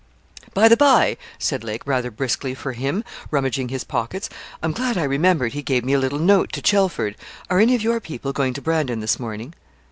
'By the bye,' said Lake, rather briskly for him, rummaging his pockets, 'I'm glad I remembered he gave me a little note to Chelford. Are any of your people going to Brandon this morning?'